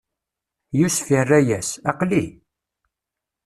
Yusef irra-yas: Aql-i!